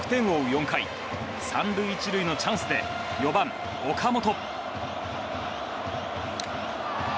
４回３塁１塁のチャンスで４番、岡本。